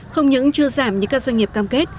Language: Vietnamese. không những chưa giảm như các doanh nghiệp cam kết